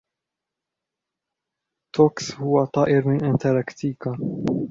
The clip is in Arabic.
تُكس هو طائر من أنتاركتيكا.